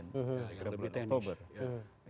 yang lebih tenis